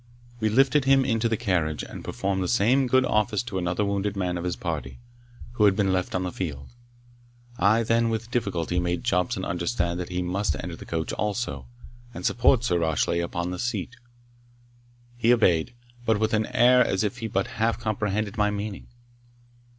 We lifted him into the carriage, and performed the same good office to another wounded man of his party, who had been left on the field. I then with difficulty made Jobson understand that he must enter the coach also, and support Sir Rashleigh upon the seat. He obeyed, but with an air as if he but half comprehended my meaning.